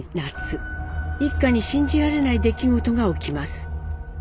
一家に信じられない出来事が起きます。